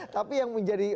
tapi yang menjadi